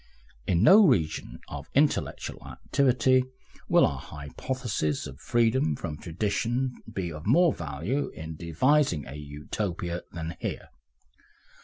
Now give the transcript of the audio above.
In no region of intellectual activity will our hypothesis of freedom from tradition be of more value in devising a Utopia than here.